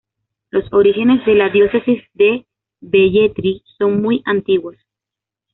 Los orígenes de la diócesis de Velletri son muy antiguos.